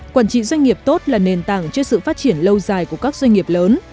quản trị doanh nghiệp tốt là nền tảng cho sự phát triển lâu dài của các doanh nghiệp lớn